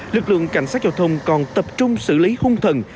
lực lượng cảnh sát giao thông còn tập trung xử lý hung thần